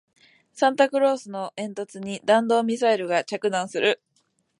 サンタクロースの煙突に弾道ミサイルが着弾する